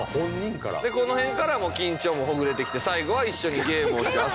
この辺から緊張もほぐれてきて最後は一緒にゲームをして遊んだと。